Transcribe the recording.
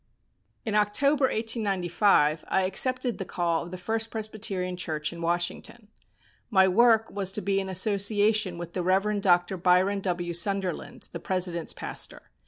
In October, 1895, I accepted the call of the First Presbyterian Church in Washington. My work was to be an association with the Rev. Dr. Byron W. Sunderland, the President's pastor.